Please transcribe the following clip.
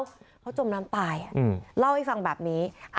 เขาจมน้ำตายเล่าให้ฟังแบบนี้